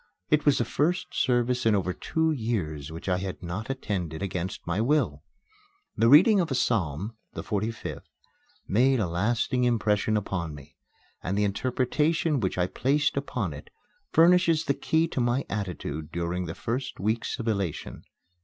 It was the first service in over two years which I had not attended against my will. The reading of a psalm the 45th made a lasting impression upon me, and the interpretation which I placed upon it furnishes the key to my attitude during the first weeks of elation.